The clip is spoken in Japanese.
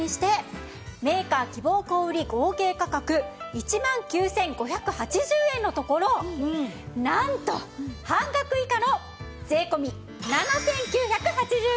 メーカー希望小売合計価格１万９５８０円のところなんと半額以下の税込７９８０円です！